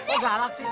eh kenalan ga